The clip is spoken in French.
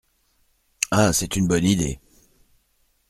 Ah ! c’est une bonne idée.